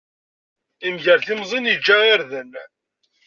Imger timẓin, iǧǧa irden.